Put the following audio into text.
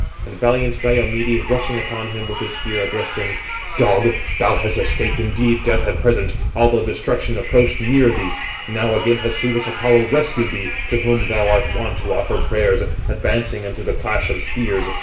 And valiant Diomede, rushing upon him with his spear, addressed him: "Dog, thou hast escaped indeed death at present, although destruction approached near thee. Now again has Phœbus Apollo rescued thee, to whom thou art wont to offer prayers, advancing into the clash of spears.